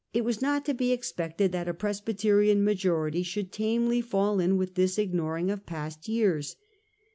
It was not to be expected that a Pres byterian majority should tamely fall in with this ignoring of past years.